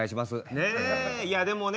ねいやでもね